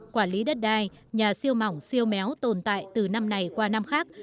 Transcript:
quản lý đất đai nhà siêu mỏng siêu méo tồn tại từ năm này qua năm khác